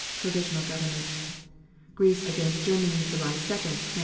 (Provisional Government.) Greece against Germany, July 2, 1917.